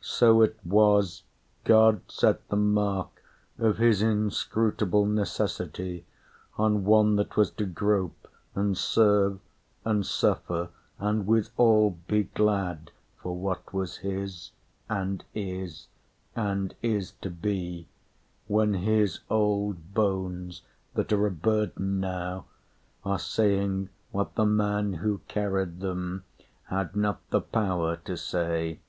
So it was God set the mark of his inscrutable Necessity on one that was to grope, And serve, and suffer, and withal be glad For what was his, and is, and is to be, When his old bones, that are a burden now, Are saying what the man who carried them Had not the power to say.